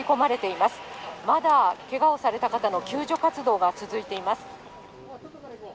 まだけがをされた方の救助活動が続いています。